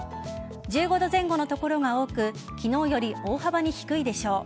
１５度前後の所が多く昨日より大幅に低いでしょう。